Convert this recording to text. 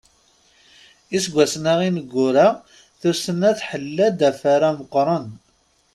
Iseggasen-a ineggura tussna tḥella-d afara meqqren.